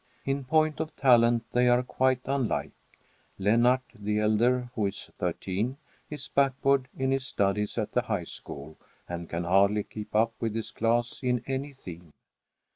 In point of talent they are quite unlike. Lennart, the elder, who is thirteen, is backward in his studies at the High School and can hardly keep up with his class in any theme.